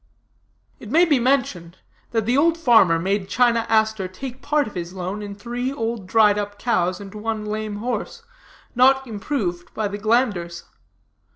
"It may be mentioned, that the old farmer made China Aster take part of his loan in three old dried up cows and one lame horse, not improved by the glanders.